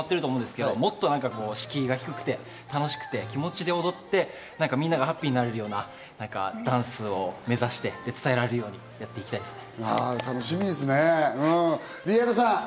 今、ダンスが広まってると思うんですけど、もっと敷居が低くって、気持ちで踊って、みんながハッピーになれるようなダンスを目指して伝えられるようになっていきたいですね。